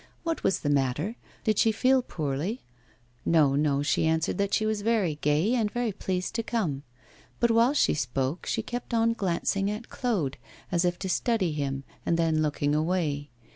What was the matter? Did she feel poorly? No, no, she answered that she was very gay and very pleased to come; but while she spoke, she kept on glancing at Claude, as if to study him, and then looked away.